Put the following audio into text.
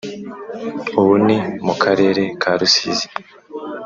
ubu ni mu karere ka rusizi